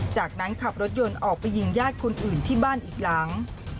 จากนั้นขับรถยนต์ออกไปยิงญาติคนอื่นที่บ้านอีกหลัง